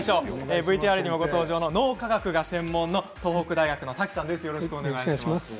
ＶＴＲにもご登場の脳科学が専門の東北大学の瀧さんです。